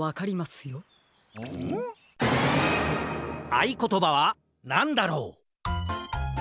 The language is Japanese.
あいことばはなんだろう？